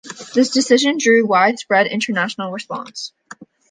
This decision drew widespread international response.